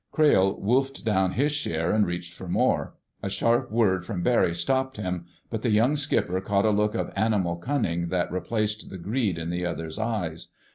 Crayle wolfed down his share and reached for more. A sharp word from Barry stopped him, but the young skipper caught a look of animal cunning that replaced the greed in the other's eyes.